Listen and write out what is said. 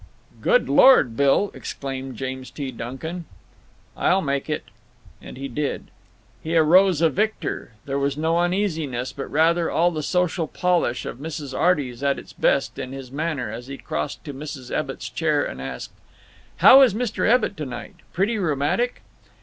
"Good Lord, Billl" exclaimed James T. Duncan. "I'll make it." And he did. He arose a victor. There was no uneasiness, but rather all the social polish of Mrs. Arty's at its best, in his manner, as he crossed to Mrs. Ebbitt's chair and asked: "How is Mr. Ebbitt to night? Pretty rheumatic?"